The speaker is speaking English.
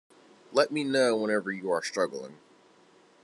Let me know whenever you are struggling